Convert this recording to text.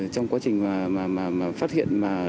trong quá trình mà phát hiện